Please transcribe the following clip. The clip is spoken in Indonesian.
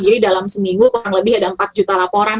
jadi dalam seminggu kurang lebih ada empat juta laporan